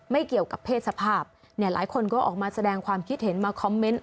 ไม่เกี่ยวกับเพศสภาพเนี่ยหลายคนก็ออกมาแสดงความคิดเห็นมาคอมเมนต์